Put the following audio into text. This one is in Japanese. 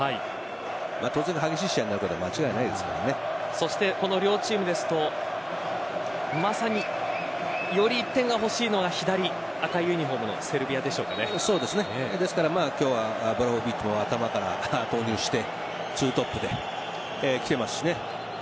当然、激しい試合になることはそして、この両チームですとまさに、より１点がほしいのは左、赤いユニホームの今日はヴラホヴィッチを頭から投入して２トップできてますし。